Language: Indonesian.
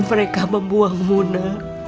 mereka membuang muna